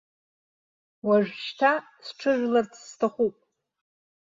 Уажәшьҭа сҽыжәларц сҭахуп!